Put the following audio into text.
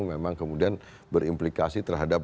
memang kemudian berimplikasi terhadap